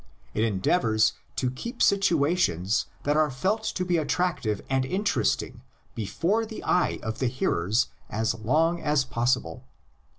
It endeavors to keep situations that are felt to be attractive and interesting before the eye of the hearers as long as possible.